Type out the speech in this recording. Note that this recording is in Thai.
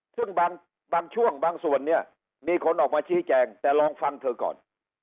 ซึ่งบางช่วงบางส่วนเนี่ยมีคนออกมาชี้แจงแต่ลองฟังเธอก่อน